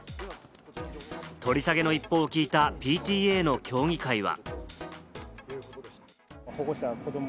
取り下げの一報を聞いたＰＴＡの協議会は。